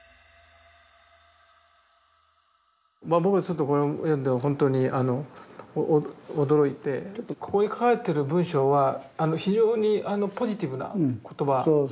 僕はちょっとこれを読んでほんとに驚いてここに書かれてる文章は非常にポジティブな言葉ですよね。